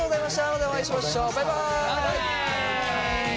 またお会いしましょうバイバイ！